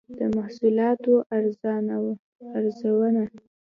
د محصولاتو ارزونه